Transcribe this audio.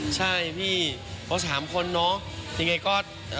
ใช่พี่เขา๓คนเนอะยังไงก็